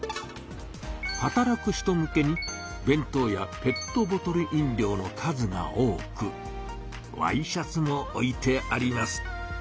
働く人向けに弁当やペットボトル飲料の数が多くＹシャツも置いてあります。